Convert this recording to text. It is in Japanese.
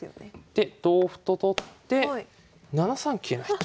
で同歩と取って７三桂成と。